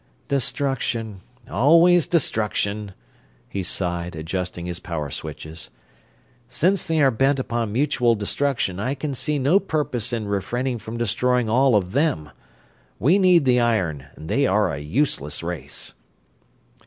"Destruction, always destruction," he sighed, adjusting his power switches. "Since they are bent upon mutual destruction I can see no purpose in refraining from destroying all of them. We need the iron, and they are a useless race."